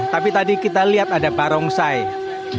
tapi tadi kita lihat ada barongsai